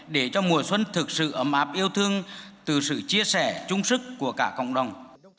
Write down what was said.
để cho mùa xuân thực sự ấm áp yêu thương từ sự chia sẻ trung sức của cả cộng đồng